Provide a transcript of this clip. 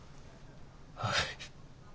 はい。